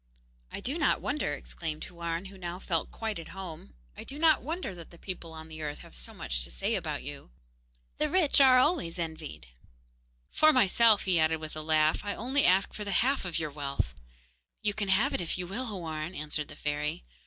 'I do not wonder,' exclaimed Houarn, who now felt quite at home 'I do not wonder that the people on the earth have so much to say about you.' 'The rich are always envied.' 'For myself,' he added, with a laugh, 'I only ask for the half of your wealth.' 'You can have it, if you will, Houarn,' answered the fairy.